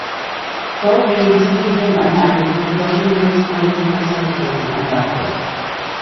Goldring soon became unhappy with the Georgian Group's political conservatism and left it.